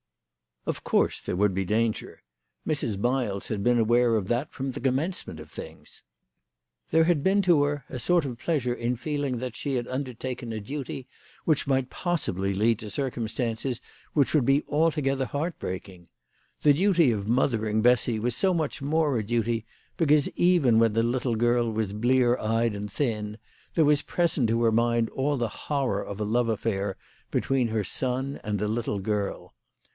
OF course there would be danger. Mrs. Miles had been aware of that from the commencement of things. There had been to her a sort of pleasure in feeling that 112 THE LADY OF LATOAY. she had undertaken a duty which might possibly lead to circumstances which would be altogether heart breaking. The duty of mothering Bessy was so much more a duty because, even when the little girl was blear eyed and thin, there was present to her mind all the horror of a love affair between her son and the little girl.